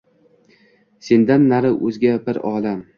Sendan nari oʼzga bir olam